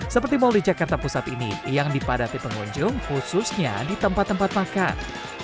seperti mal di jakarta pusat ini yang dipadati pengunjung khususnya di tempat tempat makan